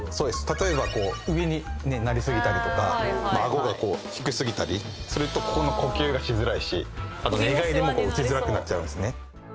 例えばこう上になりすぎたりとかアゴがこう低すぎたりするとここの呼吸がしづらいしあと寝返りも打ちづらくなっちゃうんですね